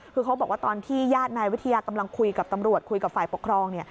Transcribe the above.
คือเขาบอกว่าตอนที่ญาตินายวิทยากำลังคุยกับตำรวจคุยกับฝ่ายปกครอง